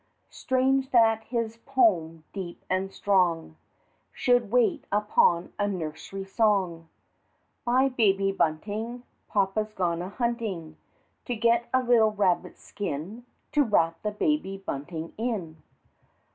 Strange that his poem deep and strong Should wait upon a nursery song, "By Baby Bunting! Papa's gone a hunting, To get a little rabbit skin To wrap the Baby Bunting in."